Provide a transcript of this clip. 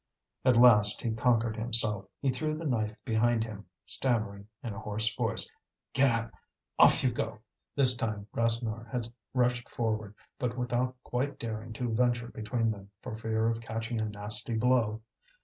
At last he conquered himself; he threw the knife behind him, stammering in a hoarse voice: "Get up off you go!" This time Rasseneur had rushed forward, but without quite daring to venture between them, for fear of catching a nasty blow.